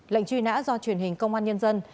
lệnh truy nã do truyền hình công an nhân dân